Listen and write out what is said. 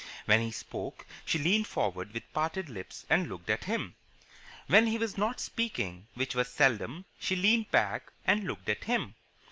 When he spoke, she leaned forward with parted lips and looked at him. When he was not speaking which was seldom she leaned back and looked at him.